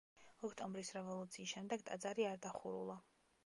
ოქტომბრის რევოლუციის შემდეგ ტაძარი არ დახურულა.